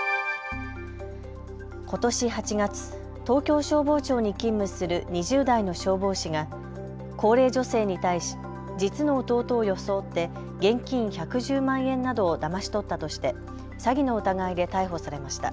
ことし８月、東京消防庁に勤務する２０代の消防士が高齢女性に対し、実の弟を装って現金１１０万円などをだまし取ったとして詐欺の疑いで逮捕されました。